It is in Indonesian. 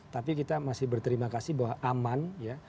tapi kita masih berterima kasih bahwa aman ya